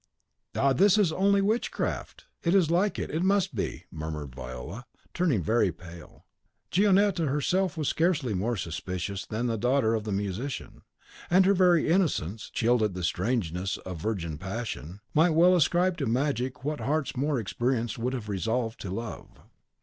"Ah, is this only witchcraft? It is like it, it must be!" murmured Viola, turning very pale. Gionetta herself was scarcely more superstitious than the daughter of the musician. And her very innocence, chilled at the strangeness of virgin passion, might well ascribe to magic what hearts more experienced would have resolved to love.